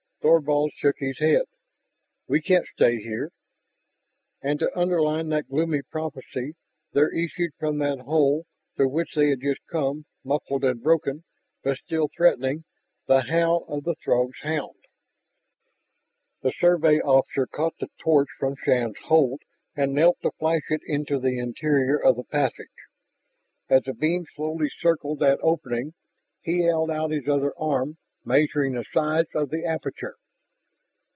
Thorvald shook his head. "We can't stay here." And, to underline that gloomy prophesy, there issued from that hole through which they had just come, muffled and broken, but still threatening, the howl of the Throgs' hound. The Survey officer caught the torch from Shann's hold and knelt to flash it into the interior of the passage. As the beam slowly circled that opening, he held out his other arm, measuring the size of the aperture.